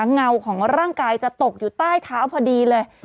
เงาของร่างกายจะตกอยู่ใต้เท้าพอดีเลย